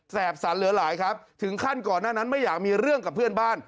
สรรเหลือหลายครับถึงขั้นก่อนหน้านั้นไม่อยากมีเรื่องกับเพื่อนบ้าน